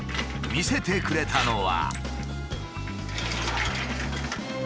見せてくれたのは。